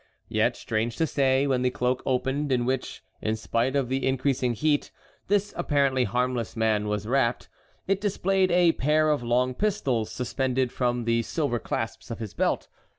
Yet, strange to say, when the cloak opened in which, in spite of the increasing heat, this apparently harmless man was wrapped, it displayed a pair of long pistols suspended from the silver clasps of his belt.